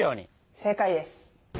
正解です。